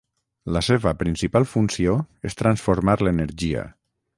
la seva principal funció és transformar l'energia